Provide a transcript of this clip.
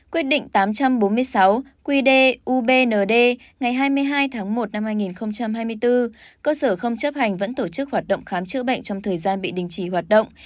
quyết định tám trăm bốn mươi sáu qd ubnd ngày hai mươi hai tháng một năm hai nghìn hai mươi bốn cơ sở không chấp hành vẫn tổ chức hoạt động khám chữa bệnh trong thời gian bị đình chỉ hoạt động